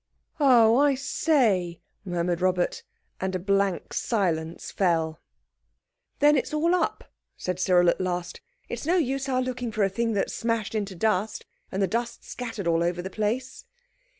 "Oh, I say!" murmured Robert, and a blank silence fell. "Then it's all up?" said Cyril at last; "it's no use our looking for a thing that's smashed into dust, and the dust scattered all over the place."